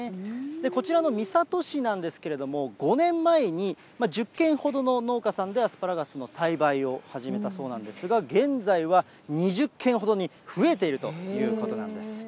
こちらの三郷市なんですけれども５年前に、１０軒ほどの農家さんでアスパラガスの栽培を始めたそうなんですが、現在は２０軒ほどに増えているということなんです。